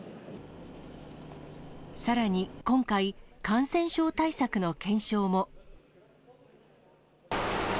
さらに今回、感染症対策の検証も。